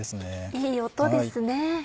いい音ですね。